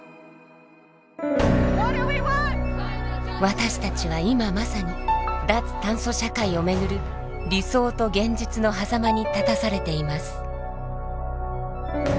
私たちは今まさに脱炭素社会を巡る「理想と現実のはざま」に立たされています。